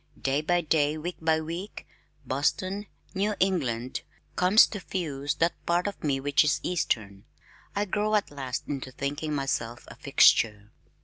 Day by day, week by week, Boston, New England, comes to fuse that part of me which is eastern. I grow at last into thinking myself a fixture.